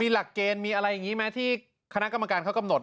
หลักเกณฑ์มีอะไรอย่างนี้ไหมที่คณะกรรมการเขากำหนด